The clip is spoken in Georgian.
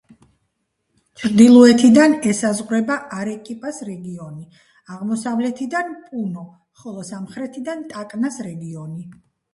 ჩრდილოეთიდან ესაზღვრება არეკიპას რეგიონი, აღმოსავლეთიდან პუნო, ხოლო სამხრეთიდან ტაკნას რეგიონი.